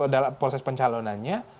dalam proses pencalonannya